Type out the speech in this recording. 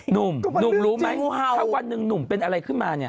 หนุ่มหนุ่มรู้ไหมถ้าวันหนึ่งหนุ่มเป็นอะไรขึ้นมาเนี่ย